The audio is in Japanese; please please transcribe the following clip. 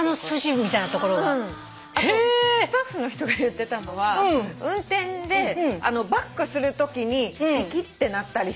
あとスタッフの人が言ってたのは運転でバックするときにピキッてなったりするって。